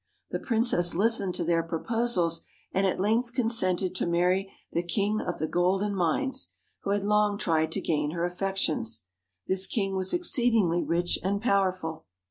The princess listened to their proposals, and at length consented to marry the King of the Golden Mines, who had long tried to gain her affections. This king was exceedingly rich and powerful.